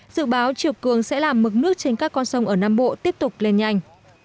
dự báo chiều cường sẽ làm mực nước trên các con sông ở nam bộ tiếp tục lên nhanh